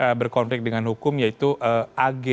yang berkonflik dengan hukum yaitu ag